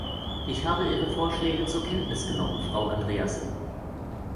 Ich habe Ihre Vorschläge zur Kenntnis genommen, Frau Andreasen.